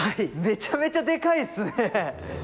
めちゃめちゃでかいですね！